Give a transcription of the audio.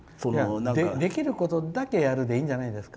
できることだけやるでいいんじゃないですか？